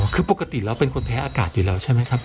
คือปกติเราเป็นคนแพ้อากาศอยู่แล้วใช่ไหมครับ